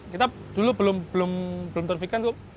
kita dulu belum terfikirkan tuh